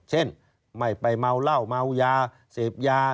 เช่นไม่ไปเมาเหล้าเมายาเสพยา